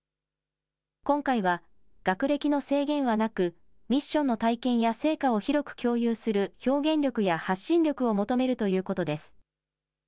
今回は、学歴の制限はなく、ミッションの体験や成果を広く共有する表現力や発信力を求めるということです。